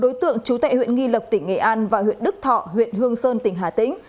ba đối tượng trú tại huyện nghi lộc tỉnh nghệ an và huyện đức thọ huyện hương sơn tỉnh hà tĩnh